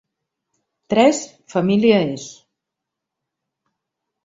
Tres, família és.